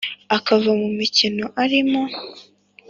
akava mu mikino arimo,